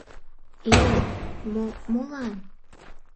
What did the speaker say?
— Э-э, мо-молан?